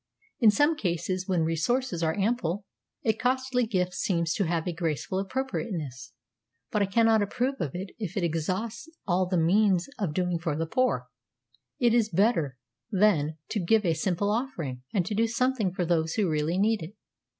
In some such cases, when resources are ample, a costly gift seems to have a graceful appropriateness; but I cannot approve of it if it exhausts all the means of doing for the poor; it is better, then, to give a simple offering, and to do something for those who really need it."